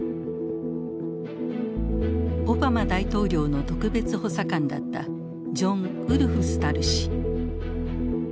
オバマ大統領の特別補佐官だったジョン・ウルフスタル氏。